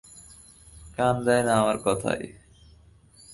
কান দেয় না আমার কথায়।